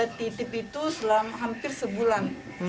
kucingnya dititip itu selama hampir sebulan